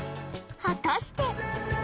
果たして？